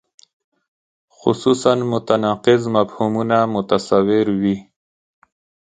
خصوصاً متناقض مفهومونه متصور وي.